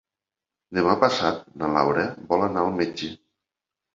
Demà passat na Laura vol anar al metge.